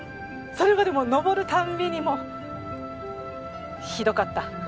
それまで登る度にもうひどかった。